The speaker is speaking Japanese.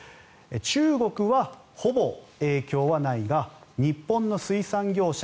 中国はほぼ影響はないが日本の水産業者